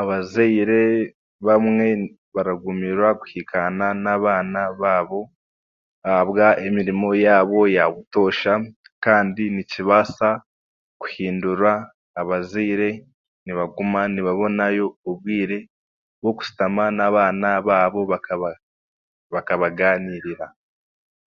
Abazaire bamwe baragumirwa kuhikaana n'abaana baabo ahabwa emirimo yaabo yaabutoosha kandi nikibaasa kuhindura abazaire nibaguma nibabonayo obwire bw'okushutama n'abaana baabo bakaba bakabagaaniirira